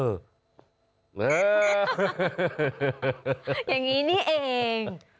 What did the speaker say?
อย่างนี้นี่เอง